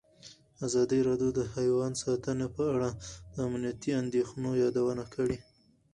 ازادي راډیو د حیوان ساتنه په اړه د امنیتي اندېښنو یادونه کړې.